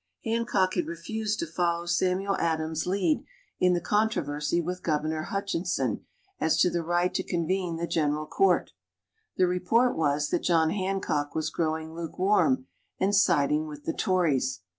Hancock had refused to follow Samuel Adams' lead in the controversy with Governor Hutchinson as to the right to convene the General Court. The report was that John Hancock was growing lukewarm and siding with the Tories.